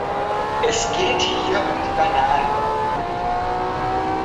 Es geht hier um die Bananen.